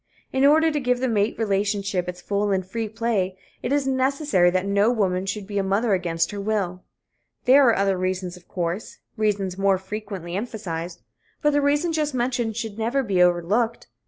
In order to give the mate relationship its full and free play, it is necessary that no woman should be a mother against her will. There are other reasons, of course reasons more frequently emphasized but the reason just mentioned should never be overlooked.